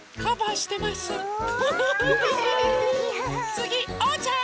つぎおうちゃん！